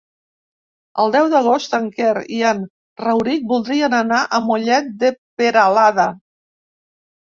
El deu d'agost en Quer i en Rauric voldrien anar a Mollet de Peralada.